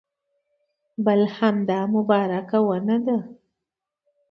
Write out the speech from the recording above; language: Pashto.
بل همدا مبارکه ونه ده.